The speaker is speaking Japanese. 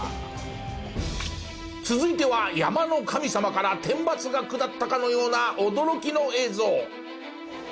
続いては山の神様から天罰が下ったかのような驚きの映像。